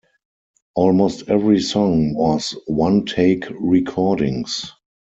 Almost every song was one-take recordings.